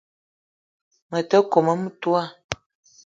Me te kome metoua